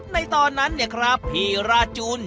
ในตอนนั้นเนี่ยครับพี่ราจูน